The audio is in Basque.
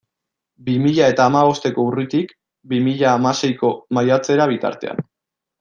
Bi mila eta hamabosteko urritik bi mila hamaseiko maiatzera bitartean.